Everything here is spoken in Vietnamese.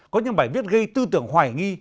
có những bài viết gây tư tưởng hoài nghi